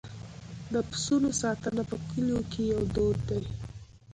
د پسونو ساتنه په کلیو کې یو دود دی.